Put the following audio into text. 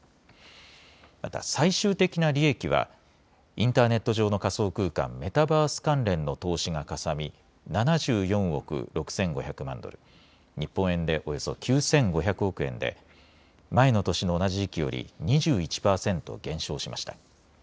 また最終的な利益はインターネット上の仮想空間、メタバース関連の投資がかさみ７４億６５００万ドル、日本円でおよそ９５００億円で前の年の同じ時期より２１％減少しました。